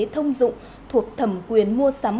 thông dụng thuộc thẩm quyền mua sắm